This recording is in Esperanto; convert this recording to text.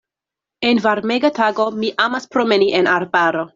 En varmega tago mi amas promeni en arbaro.